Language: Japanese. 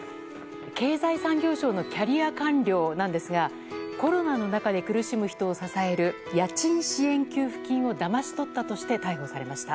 経済産業省のキャリア官僚なんですがコロナの中で苦しむ人を支える家賃支援給付金をだまし取ったとして逮捕されました。